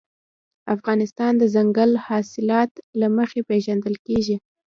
افغانستان د دځنګل حاصلات له مخې پېژندل کېږي.